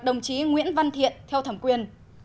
đồng chí nguyễn văn thiện theo thẩm quyền